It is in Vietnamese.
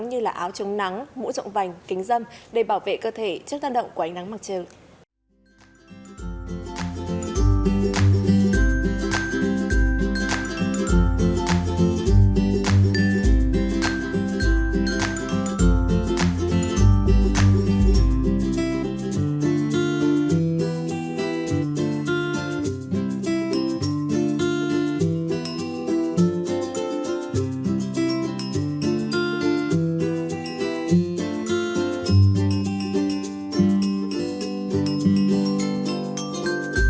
như là áo chống nắng mũ rộng vành kính dâm để bảo vệ cơ thể trước tăng động của ánh nắng mặt trời